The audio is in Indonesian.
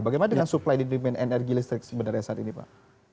bagaimana dengan supply di demand energi listrik sebenarnya saat ini pak